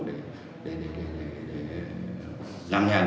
để làm nhà